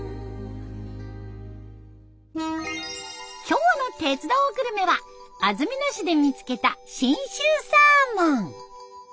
今日の「鉄道グルメ」は安曇野市で見つけた信州サーモン。